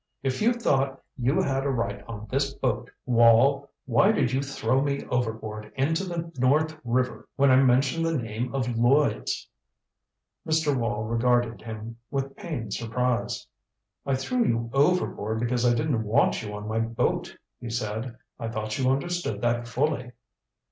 If you thought you had a right on this boat, Wall, why did you throw me overboard into the North River when I mentioned the name of Lloyds?" Mr. Wall regarded him with pained surprise. "I threw you overboard because I didn't want you on my boat," he said. "I thought you understood that fully."